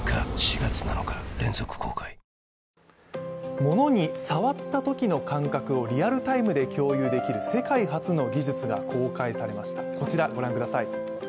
ものに触ったときの感覚をリアルタイムで共有できる世界初の技術が公開されました、こちらご覧ください。